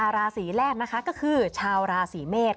ราศีแรกก็คือชาวราศีเมฆ